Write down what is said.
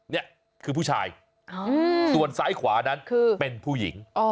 นี่คือผู้ชายส่วนซ้ายขวานั้นคือเป็นผู้หญิง